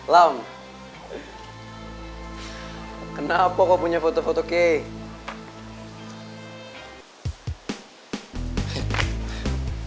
lam kenapa kau punya foto foto kay